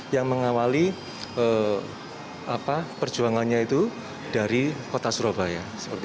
yang mengawali perjuangannya itu dari kota surabaya